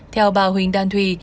theo bà huỳnh đan thùy